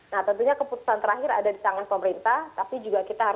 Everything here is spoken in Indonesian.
nah tentunya keputusan terakhir ada di tangan pemerintah